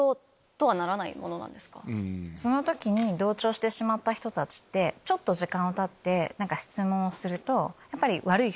その時に同調してしまった人たちって時間がたって質問をすると。